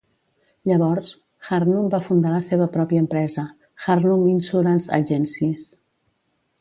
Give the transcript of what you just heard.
Llavors Harnum va fundar la seva pròpia empresa, Harnum Insurance Agencies.